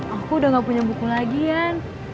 aku udah gak punya buku lagi yan